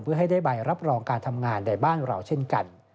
เพื่อให้ได้ใบรับรองการทำงานในบ้านเราเช่นกัน